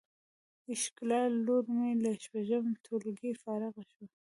ښکلا لور می له شپږم ټولګی فارغه شوه